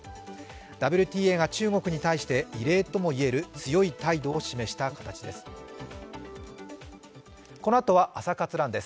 ＷＴＡが中国に対して異例とも言える強い態度を示した形です。